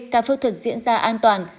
các phẫu thuật diễn ra an toàn